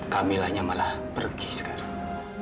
kamilanya malah pergi sekarang